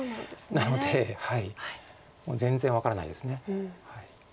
なので全然分からないです。